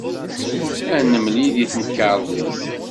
Ad nemlil deg temkarḍit?